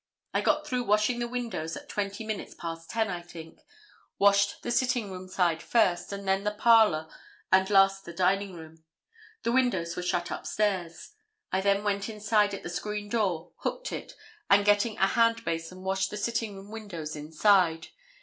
I got through washing the windows at twenty minutes past 10, I think. Washed the sitting room side first and then the parlor and last the dining room. The windows were shut upstairs. I then went inside at the screen door, hooked it, and getting a hand basin washed the sitting room windows inside.